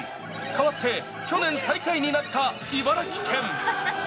かわって去年最下位になった茨城県。